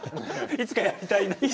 いつかやりたいと？